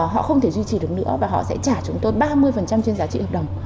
họ không thể duy trì được nữa và họ sẽ trả chúng tôi ba mươi trên giá trị hợp đồng